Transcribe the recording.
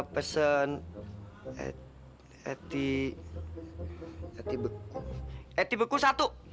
pesen eti eti beku eti beku satu